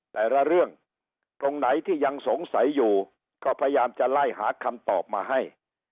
แต่ละเรื่องตรงไหนที่ยังสงสัยอยู่ก็พยายามจะไล่หาคำตอบมาให้